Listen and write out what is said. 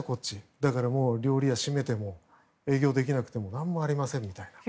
だから料理屋を閉めても営業できなくても何もありませんと。